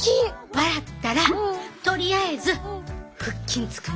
笑ったらとりあえず腹筋つくね。